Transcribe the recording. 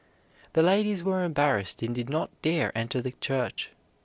The ladies were embarrassed and did not dare enter the church.